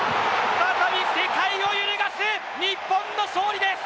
再び世界を揺るがす日本の勝利です！